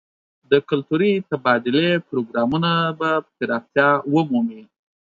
د کلتوري تبادلې پروګرامونه به پراختیا ومومي.